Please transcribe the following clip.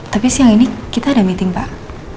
tapi siang ini kita ada meeting pak